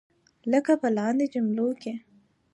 لکه په لاندې جملو کې.